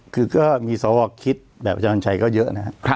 คือก็มีสวรรคคิดแบบวันชัยก็เยอะนน่ะ